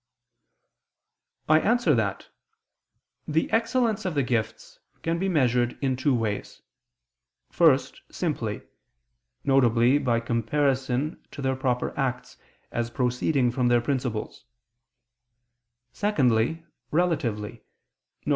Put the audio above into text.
I answer that, The excellence of the gifts can be measured in two ways: first, simply, viz. by comparison to their proper acts as proceeding from their principles; secondly, relatively, viz.